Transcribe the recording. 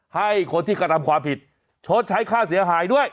ให้คนที่กระทำความผิดชดใช้ค่าเสียหายด้วย